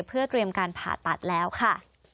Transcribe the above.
เพื่อเตรียมการผ่าตัดแล้วค่ะ